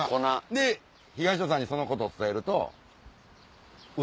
で東野さんにそのことを伝えると。